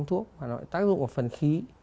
đó là những cái vị thuốc mà nó tác dụng vào phần khí